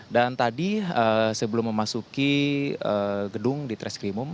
dan tadi sebelum memasuki gedung di tres krimum